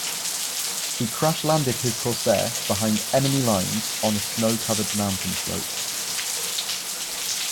He crash-landed his Corsair behind enemy lines on a snow-covered mountain slope.